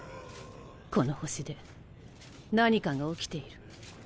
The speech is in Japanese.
この星で何かが起きている。